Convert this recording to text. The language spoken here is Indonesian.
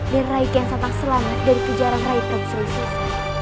dan raiki yang santang selamat dari kejaran rai prabu surawisesa